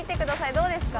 どうですか？